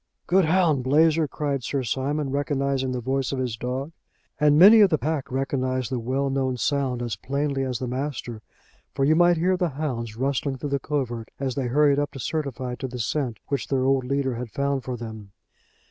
'" "Good hound, Blazer," cried Sir Simon, recognising the voice of his dog. And many of the pack recognised the well known sound as plainly as the master, for you might hear the hounds rustling through the covert as they hurried up to certify to the scent which their old leader had found for them.